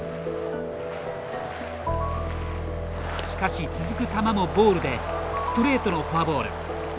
しかし、続く球もボールでストレートのフォアボール。